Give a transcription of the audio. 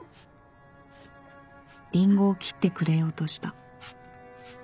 りんごを切ってくれようとした。